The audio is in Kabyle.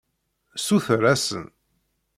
Ssuter-asen.